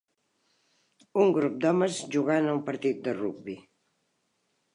Un grup d'homes jugant a un partit de rugbi.